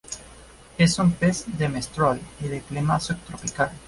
Es un pez demersal y de clima subtropical.